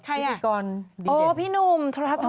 พี่ดีกรดีเย็นพี่หนุ่มรัฐธรรมคำ